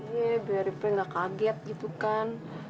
iya biar ipe enggak kaget gitu kan